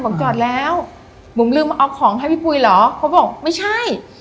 ผมจอดแล้วบุ๋มลืมมาเอาของให้พี่ปุ๋ยเหรอเขาบอกไม่ใช่